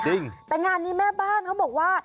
จริงแต่งานนี้แม่บ้านเขาบอกว่า